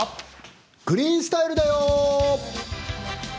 「グリーンスタイル」だよ。